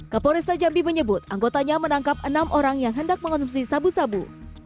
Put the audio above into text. kapolresta jambi menyebut anggotanya menangkap enam orang yang hendak mengonsumsi sabu sabu